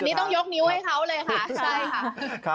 อันนี้ต้องยกนิ้วให้เขาเลยค่ะ